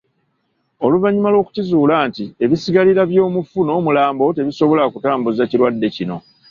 Oluvannyuma lw'okukizuula nti ebisigalira by'omufu n'omulambo tebisobola kutambuza kirwadde kino.